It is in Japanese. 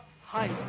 「はい」